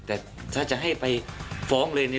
แต่ถ้าจะให้ไปฟ้องเลยเนี่ย